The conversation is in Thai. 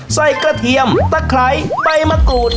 ไส้กระเทียมตะไครไปมะกรูด